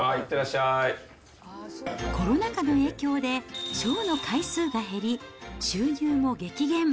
コロナ禍の影響で、ショーの回数が減り、収入も激減。